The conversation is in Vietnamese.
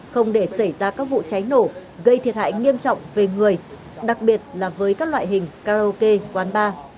không để xảy ra các vụ cháy nổ gây thiệt hại nghiêm trọng về người đặc biệt là với các loại hình karaoke quán bar